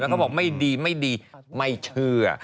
เขาบอกไม่ดีไม่ดีไม่เชื่อ